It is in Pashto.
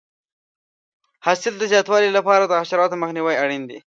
د حاصل د زیاتوالي لپاره د حشراتو مخنیوی اړین دی.